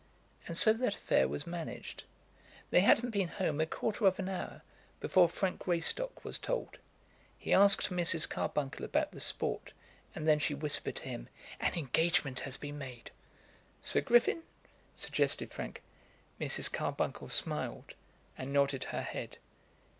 And so that affair was managed. They hadn't been home a quarter of an hour before Frank Greystock was told. He asked Mrs. Carbuncle about the sport, and then she whispered to him, "An engagement has been made." "Sir Griffin?" suggested Frank. Mrs. Carbuncle smiled and nodded her head.